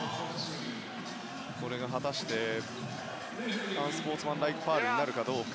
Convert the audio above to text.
これが果たしてアンスポーツマンライクファウルになるかどうか。